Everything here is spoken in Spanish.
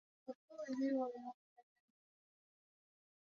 Estas características son, precisamente, las que posee esta herramienta.